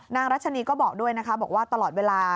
รัชนีก็บอกด้วยนะคะบอกว่าตลอดเวลา